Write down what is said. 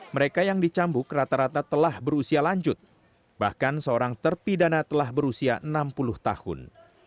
mereka yang dicambuk rata rata telah berusia lanjut bahkan seorang terpidana telah berusia enam puluh tahun